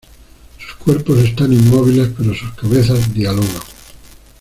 Sus cuerpos están inmóviles pero sus cabezas dialogan.